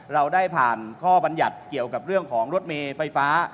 เราได้ผ่านข้อบรรยัติเกี่ยวกับเรื่องของรถเมย์ไฟฟ้า